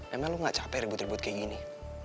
emang lu nggak capek ribut ribut kayak gini